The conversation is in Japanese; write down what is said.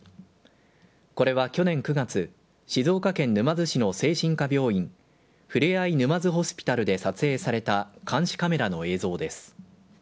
これは去年９月、静岡県沼津市の精神科病院、ふれあい沼津ホスピタルで撮影された監視カメラの映像です。